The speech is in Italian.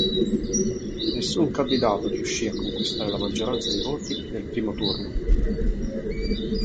Nessun candidato riuscì a conquistare la maggioranza dei voti nel primo turno.